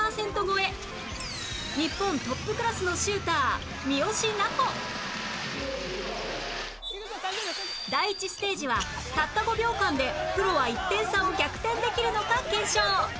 日本トップクラスのシューター三好南穂第１ステージはたった５秒間でプロは１点差を逆転できるのか検証